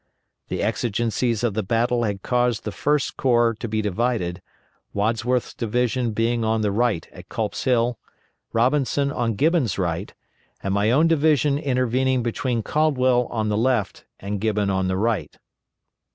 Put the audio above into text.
The exigencies of the battle had caused the First Corps to be divided, Wadsworth's division being on the right at Culp's Hill, Robinson on Gibbon's right, and my own division intervening between Caldwell on the left and Gibbon on the right.